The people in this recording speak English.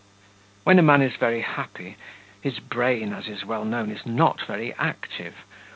When a man is very happy, his brain, as is well known, is not very active.